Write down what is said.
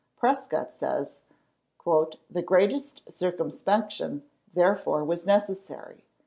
Prescott says: "The greatest circumspection, therefore, was necessary.